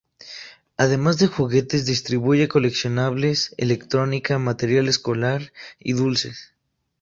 Además de juguetes, distribuye coleccionables, electrónica, material escolar y dulces.